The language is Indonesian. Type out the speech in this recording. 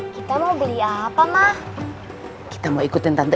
kita mau beli apa mah kita mau ikutin tante